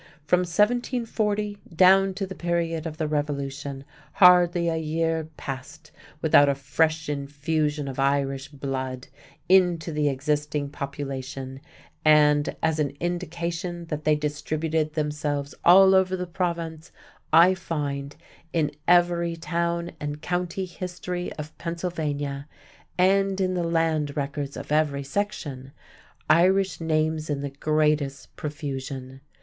From 1740 down to the period of the Revolution, hardly a year passed without a fresh infusion of Irish blood into the existing population, and, as an indication that they distributed themselves all over the Province, I find, in every Town and County history of Pennsylvania and in the land records of every section, Irish names in the greatest profusion.